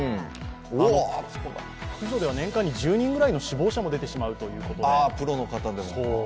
駆除では年間に１０人ぐらいの死亡者も出てしまうということで。